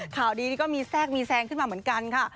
ข่าวดีนี่ก็มีแทรกมีแซงขึ้นมาเหมือนกันค่ะ